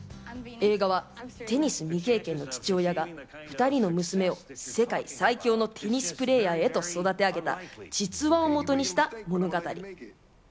映画はテニス未経験の父親が２人の娘を世界最強のテニスプレーヤーへと育て上げた実話をもとにした物語。